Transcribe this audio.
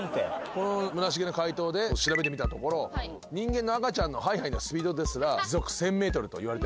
この村重の解答で調べてみたところ人間の赤ちゃんのハイハイのスピードですら時速１，０００メートルといわれているんです。